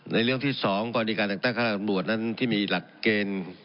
เรื่องที่๒กรณีการแต่งตั้งคณะตำรวจนั้นที่มีหลักเกณฑ์